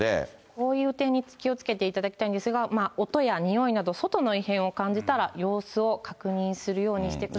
こういう店に気をつけていただきたいんですが、音や臭いなど、外の異変を感じたら、様子を確認するようにしてください。